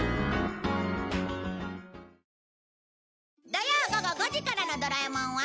土曜午後５時からの『ドラえもん』は